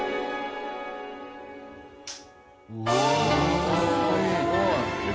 すごーい！